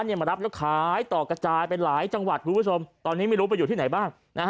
มารับแล้วขายต่อกระจายไปหลายจังหวัดคุณผู้ชมตอนนี้ไม่รู้ไปอยู่ที่ไหนบ้าง